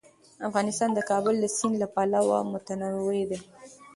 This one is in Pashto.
افغانستان د د کابل سیند له پلوه متنوع دی.